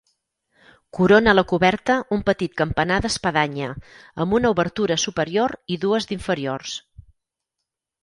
Corona la coberta un petit campanar d'espadanya amb una obertura superior i dues d'inferiors.